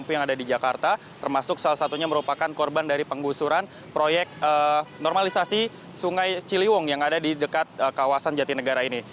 yang ada di jakarta termasuk salah satunya merupakan korban dari penggusuran proyek normalisasi sungai ciliwung yang ada di dekat kawasan jatinegara ini